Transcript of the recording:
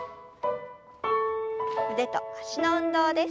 腕と脚の運動です。